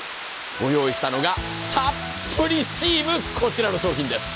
ご用意したのが、たっぷりスチーム、こちらの商品です。